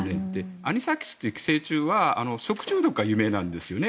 アニサキスという寄生虫は食中毒が有名なんですよね。